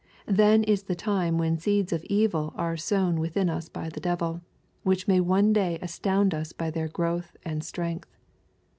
Then is the time when seeds of ev'l are sown within us by the devil, which may one day astound us by their growth and strength.